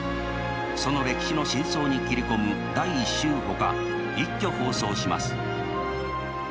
その歴史の真相に切り込む「第１集」ほか一挙放送します。